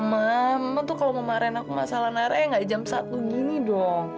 mama tuh kalau memarin aku masalah nara ya nggak jam satu gini dong